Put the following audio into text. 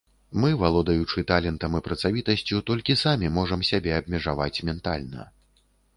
Мы, валодаючы талентам і працавітасцю, толькі самі можам сябе абмежаваць ментальна.